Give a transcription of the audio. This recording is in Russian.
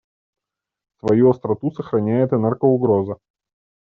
Свою остроту сохраняет и наркоугроза.